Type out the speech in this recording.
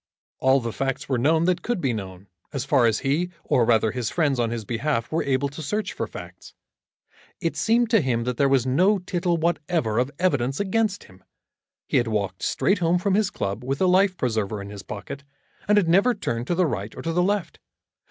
All the facts were known that could be known, as far as he, or rather his friends on his behalf, were able to search for facts. It seemed to him that there was no tittle whatever of evidence against him. He had walked straight home from his club with the life preserver in his pocket, and had never turned to the right or to the left.